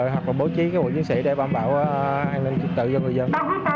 hoặc là bố trí các bộ chiến sĩ để bảo vệ an ninh trực tự do người dân